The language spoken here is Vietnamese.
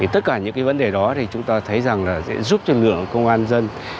tất cả những vấn đề đó thì chúng ta thấy rằng sẽ giúp cho lượng công an dân